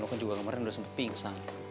lo kan juga kemarin udah sempet pingsan